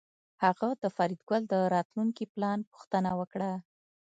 هغه د فریدګل د راتلونکي پلان پوښتنه وکړه